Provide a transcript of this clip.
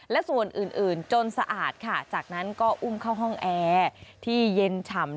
และส่วนอื่นจนสะอาดค่ะจากนั้นก็อุ้มเข้าห้องแอร์ที่เย็นฉ่ำ